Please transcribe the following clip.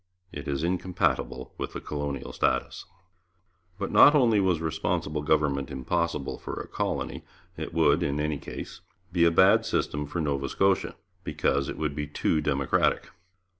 It is incompatible with the colonial status. But not only was Responsible Government impossible for a colony; it would, in any case, be a bad system for Nova Scotia, because it would be too democratic.